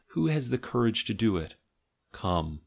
Who has the courage to do it? Come!